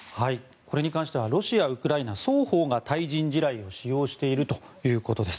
これに関してはロシア、ウクライナ双方が対人地雷を使用しているということです。